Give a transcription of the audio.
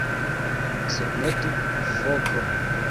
Surmetu, foko!